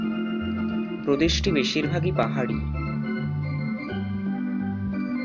প্রদেশটি বেশিরভাগই পাহাড়ি।